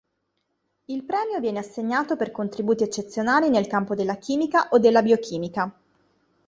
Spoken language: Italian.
Il premio viene assegnato per contributi eccezionali nel campo della chimica o della biochimica.